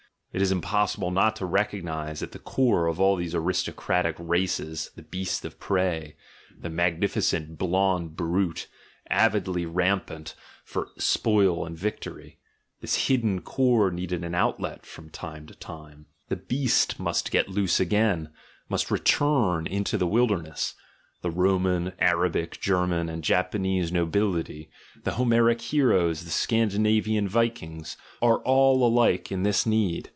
It is impossible not to recognise at the core of all these aristocratic races the "GOOD AND EVIL," "GOOD AND BAD" 23 beast of prey; the magnificent blonde bride, avidly ram pant for spoil and victory; this hidden core needed an outlet from time to time, the beast must get loose again, must return into the wilderness — the Roman, Arabic, German, and Japanese nobility, the Homeric heroes, the Scandinavian Vikings, are all alike in this need.